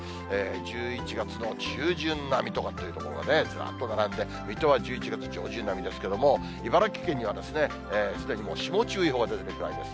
１１月の中旬並みという所がずらーっと並んで、水戸は１１月上旬並みですけれども、茨城県にはすでにもう霜注意報が出ているぐらいです。